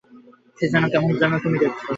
সে যে কেমন তুমি তো দেখেছই।